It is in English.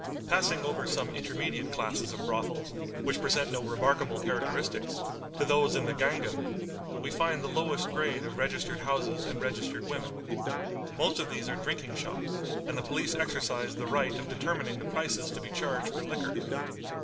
Passing over some intermediate classes of brothels, which present no remarkable characteristics, to those in the Gangen, we find the lowest grade of registered houses and registered women. Most of these are drinking shops, and the police exercise the right of determining the prices to be charged for liquors.